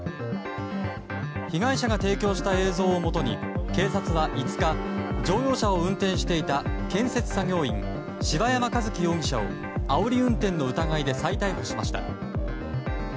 被害者が提供した映像をもとに警察は５日乗用車を運転していた建設作業員、柴山和希容疑者をあおり運転の疑いで再逮捕しました。